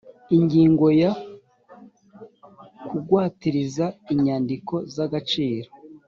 ingingo ya kugwatiriza inyandiko z agaciro